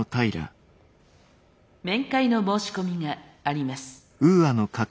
面会の申し込みがあります。